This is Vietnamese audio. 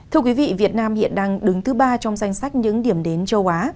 thưa quý vị việt nam hiện đang đứng thứ ba trong danh sách những điểm đến châu á